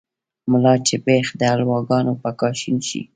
ملا چې پېښ دحلواګانو په کاشين شي